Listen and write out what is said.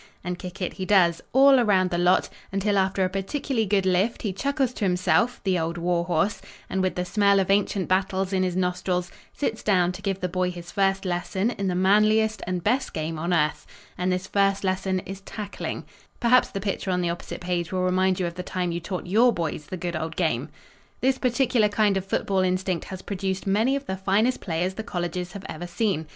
And kick it he does all around the lot until after a particularly good lift he chuckles to himself, the old war horse, and with the smell of ancient battles in his nostrils sits down to give the boy his first lesson in the manliest and best game on earth. And this first lesson is tackling. Perhaps the picture on the opposite page will remind you of the time you taught your boys the good old game. This particular kind of football instinct has produced many of the finest players the colleges have ever seen.